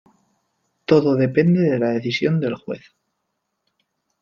Todo depende de la decisión del juez.